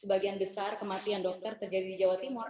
sebagian besar kematian dokter terjadi di jawa timur